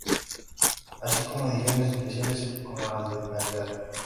Así como ediciones especiales como las de Navidad.